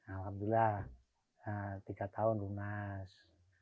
alhamdulillah tiga tahun lunas